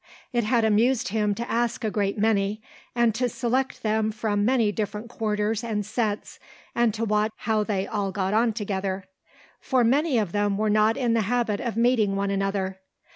It had amused him to ask a great many, and to select them from many different quarters and sets, and to watch how they all got on together. For many of them were not in the habit of meeting one another.